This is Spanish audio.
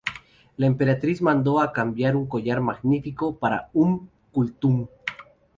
La emperatriz mandó a cambio un collar "magnífico" para Umm Kulthum.